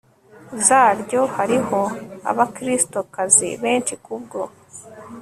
zaryo hariho Abakristokazi benshi kubwo